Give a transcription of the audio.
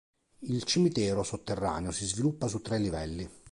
Il cimitero sotterraneo si sviluppa su tre livelli.